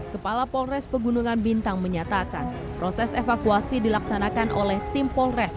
kepala polres pegunungan bintang menyatakan proses evakuasi dilaksanakan oleh tim polres